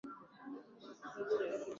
Hizo ni sentensi